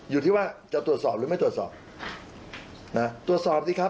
อยู่ที่ว่าจะตรวจสอบหรือไม่ตรวจสอบนะตรวจสอบสิครับ